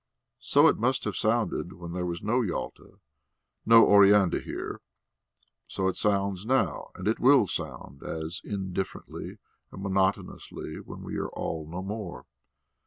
So it must have sounded when there was no Yalta, no Oreanda here; so it sounds now, and it will sound as indifferently and monotonously when we are all no more.